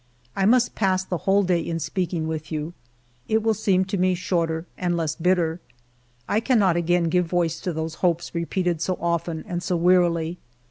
I must pass the whole day in speaking with you. It will seem to me shorter and less bitter. I can not again give voice to those hopes repeated so often and so wearily.